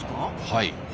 はい。